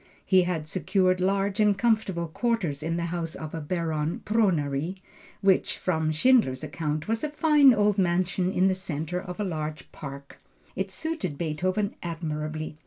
He had secured large and comfortable quarters in the house of a Baron Pronay, which, from Schindler's account was a fine old mansion in the centre of a large park. It suited Beethoven admirably.